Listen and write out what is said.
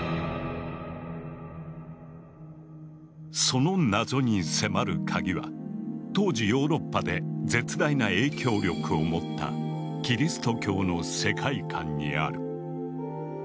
その謎に迫るカギは当時ヨーロッパで絶大な影響力を持ったキリスト教の世界観にある。